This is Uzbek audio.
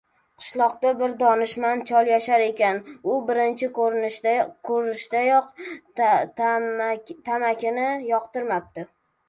Qishloqda bir donishmand chol yashar ekan, u birinchi koʻrishdayoq tamakini yoqtirmapti